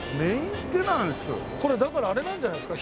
これだからあれなんじゃないですか？